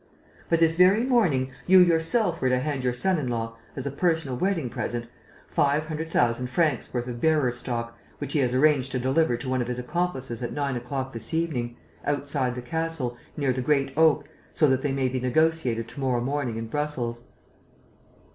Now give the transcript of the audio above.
But, this very morning, you yourself were to hand your son in law, as a personal wedding present, five hundred thousand francs' worth of bearer stock, which he has arranged to deliver to one of his accomplices at nine o'clock this evening, outside the castle, near the Great Oak, so that they may be negotiated to morrow morning in Brussels."